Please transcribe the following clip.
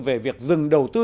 về việc dừng đầu tư